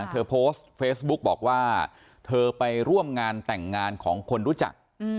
เธอโพสต์เฟซบุ๊กบอกว่าเธอไปร่วมงานแต่งงานของคนรู้จัก